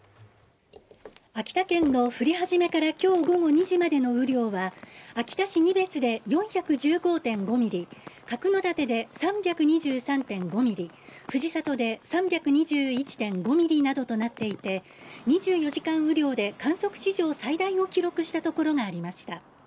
秋田県の降り始めから今日午後２時までの雨量は秋田市仁別で４１５．５ミリ、角館で３２３．５ミリ、藤里で３２１．５ミリなどとなっていて２４時間雨量で観測史上最大を記録したところがありました。